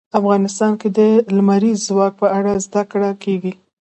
افغانستان کې د لمریز ځواک په اړه زده کړه کېږي.